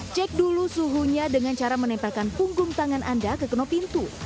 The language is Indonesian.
cek dulu suhunya dengan cara menempelkan punggung tangan anda ke kenop pintu